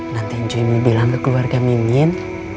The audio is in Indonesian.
nanti cuy mau bilang korang keluarga mimin